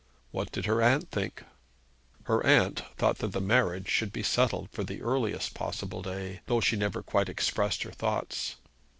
What did her aunt think? Her aunt thought that the marriage should be settled for the earliest possible day, though she never quite expressed her thoughts.